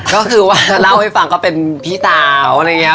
ก็คือว่าเล่าให้ฟังก็เป็นพี่เต๋า